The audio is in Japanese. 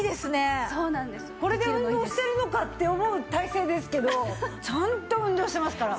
これで運動してるのかって思う体勢ですけどちゃんと運動してますから。